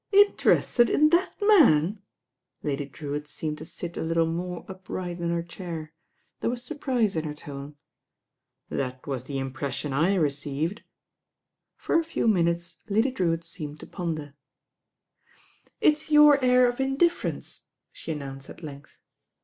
"Interested in that man I" Lady Drewitt seemed to sit a little more upright in her chair. There was surprise in her tone. "That was the impression I received." For a few minutes Lady Drewitt seemed to pon der. "It's your air of indifference," she announced at length.